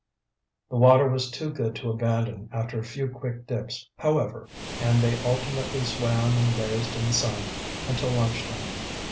The water was too good to abandon after a few quick dips, however, and they alternately swam and lazed in the sun until lunchtime.